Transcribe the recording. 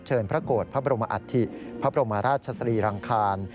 พระโกรธพระบรมอัฐิพระบรมราชสรีรังคาร